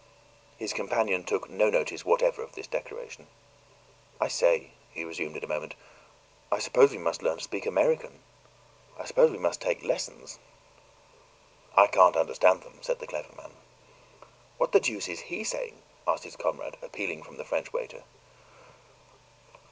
His companion took no notice whatever of this declaration. "I say," he resumed in a moment, "I suppose we must learn to speak American. I suppose we must take lessons." "I can't understand them," said the clever man. "What the deuce is HE saying?" asked his comrade, appealing from the French waiter.